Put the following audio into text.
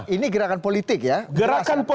ini gerakan politik ya